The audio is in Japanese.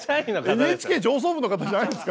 ＮＨＫ上層部の方じゃないんですか。